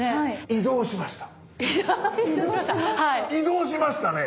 移動しましたね。